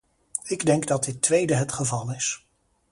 Ik denk dat dit tweede het geval is.